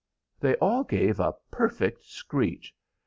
They all gave a perfect screech.